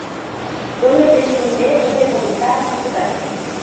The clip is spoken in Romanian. Dle președinte, dle comisar, mă scuzați.